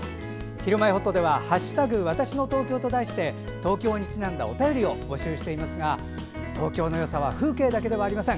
「ひるまえほっと」では「＃わたしの東京」と題して東京にちなんだお便りを募集しておりますが東京のよさは風景だけではありません。